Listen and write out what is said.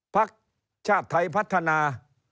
พักชาติไทยพัฒนา